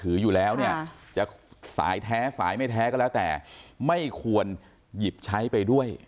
อยู่แล้วเนี่ยจะสายแท้สายไม่แท้ก็แล้วแต่ไม่ควรหยิบใช้ไปด้วย